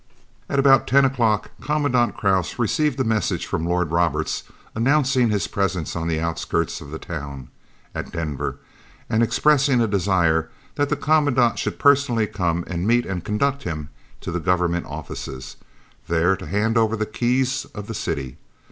At about 10 o'clock Commandant Krause received a message from Lord Roberts announcing his presence on the outskirts of the town (at Denver) and expressing a desire that the Commandant should personally come and meet and conduct him to the Government offices, there to hand over the "keys" of the city.